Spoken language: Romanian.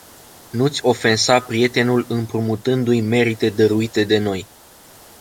Nu-ți ofensa prietenul împrumutîndu-i merite dăruite de noi.